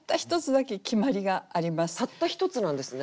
たったひとつなんですね？